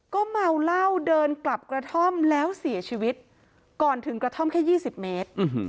ก็เมาเหล้าเดินกลับกระท่อมแล้วเสียชีวิตก่อนถึงกระท่อมแค่๒๐เมตร